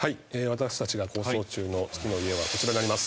私たちが構想中の月の家はこちらになります。